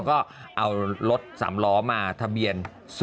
เขาก็เอารถสำล้อมาทะเบียน๐๘๙๖๐